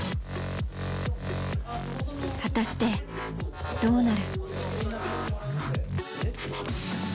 果たしてどうなる？